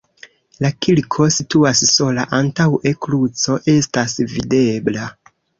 La kirko situas sola, antaŭe kruco estas videbla.